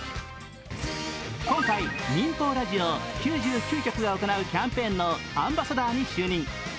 今回、民放ラジオ９９局が行うキャンペーンのアンバサダーに就任。